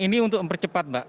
ini untuk mempercepat pak